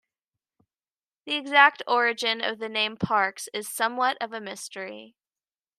The exact origin of the name "Parks" is somewhat of a mystery.